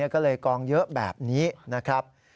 ก็เลยกองเยอะแบบนี้นะครับ